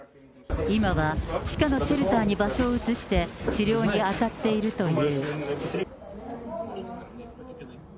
今は地下のシェルターに場所を移して、治療に当たっているという。